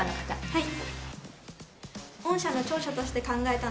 はい。